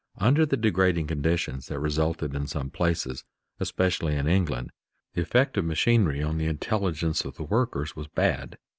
Under the degrading conditions that resulted in some places, especially in England, the effect of machinery on the intelligence of the workers was bad.